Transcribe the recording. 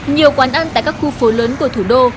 nhiều quán ăn tại các khu phố lớn của thủ đô